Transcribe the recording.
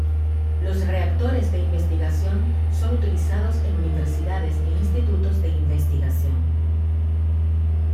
Los reactores de investigación son los utilizados en universidades e institutos de investigación.